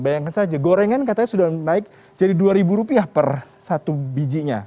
bayangkan saja gorengan katanya sudah naik jadi rp dua per satu bijinya